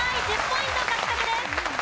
１０ポイント獲得です。